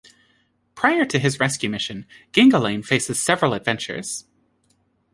Prior to his rescue mission, Gingalain faces several adventures.